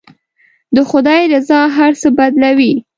د خدای رضا هر څه بدلوي.